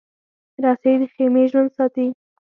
رسۍ د خېمې ژوند ساتي.